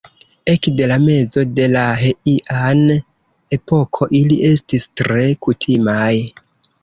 Ekde la mezo de la Heian-epoko ili estis tre kutimaj.